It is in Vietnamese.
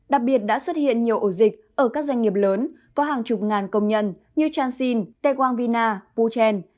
đặc biệt đã xuất hiện nhiều ổ dịch ở các doanh nghiệp lớn có hàng chục ngàn công nhân như chansin tegong vina puchen